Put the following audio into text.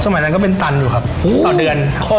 สมัยนั้นก็เป็นตันอยู่ครับต่อเดือน